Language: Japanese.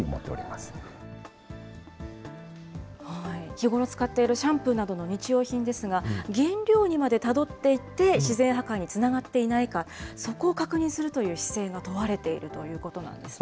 日ごろ使っているシャンプーなどの日用品ですが、原料にまでたどっていって、自然破壊につながっていないか、そこを確認するという姿勢が問われているということなんですね。